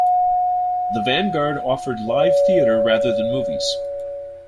The Vanguard offered live theater rather than movies.